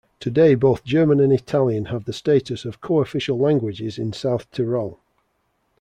Today both German and Italian have the status of co-official languages in South Tyrol.